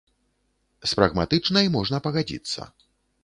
З прагматычнай можна пагадзіцца.